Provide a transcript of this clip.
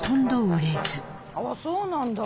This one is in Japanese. ああそうなんだ。